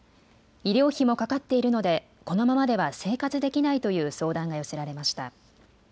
医療費もかかっているのでこのままでは生活できないという相談が寄せられました。